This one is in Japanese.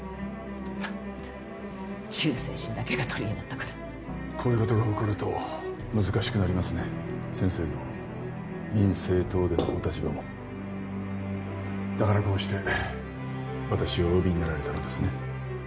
全く忠誠心だけが取りえなんだからこういうことが起こると難しくなりますね先生の民政党でのお立場もだからこうして私をお呼びになられたのですね